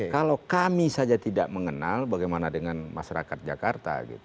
kalau kami saja tidak mengenal bagaimana dengan masyarakat jakarta